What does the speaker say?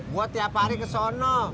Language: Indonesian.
gue tiap hari kesana